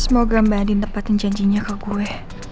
semoga mba adin nempatin janjinya ke gue